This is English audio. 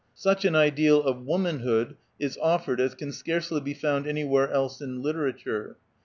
Such an ideal of womanhood is offered as can scarcely be found anywhere else in literature.